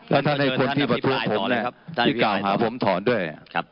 แล้วท่านให้คนที่ประชุมผมที่กล่าวหาผมถอนด้วย